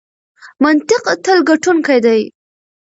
منطق تل ګټونکی دی.